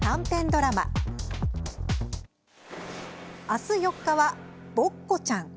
あす４日は「ボッコちゃん」。